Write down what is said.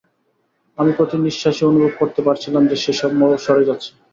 আমি প্রতি নিঃশ্বাসে অনুভব করতে পারছিলাম যে সে সরে যাচ্ছে।